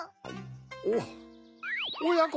おっおやこ